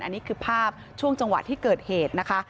อันนี้คือภาพช่วงจังหวะที่เกิดเหตุนะคะ